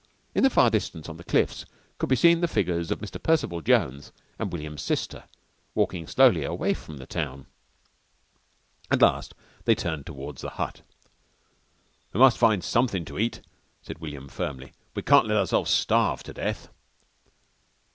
In the far distance on the cliffs could be seen the figures of Mr. Percival Jones and William's sister, walking slowly away from the town. At last they turned towards the hut. "We must find somethin' to eat," said William firmly. "We can't let ourselves starve to death."